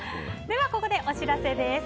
ではここでお知らせです。